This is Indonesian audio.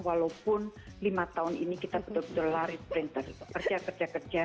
walaupun lima tahun ini kita betul betul lari printer kerja kerja